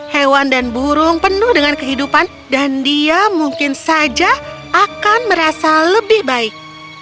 hewan dan burung penuh dengan kehidupan dan dia mungkin saja akan merasa lebih baik